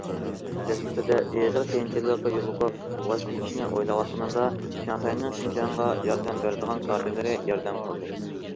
دەسلىپىدە ئېغىر قىيىنچىلىققا يولۇقۇپ، ۋاز كېچىشنى ئويلاۋاتقىنىمدا شاڭخەينىڭ شىنجاڭغا ياردەم بېرىدىغان كادىرلىرى ياردەم قىلدى.